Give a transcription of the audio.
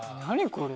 これ。